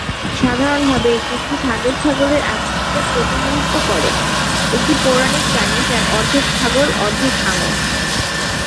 সাধারণভাবে এটি একটি সাগর-ছাগলের আকৃতিতে প্রতিনিধিত্ব করে: একটি পৌরাণিক প্রাণী যা অর্ধেক ছাগল, অর্ধেক হাঙ্গর।